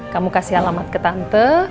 kamu kasih alamat ke tante